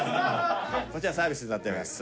こちらサービスになっております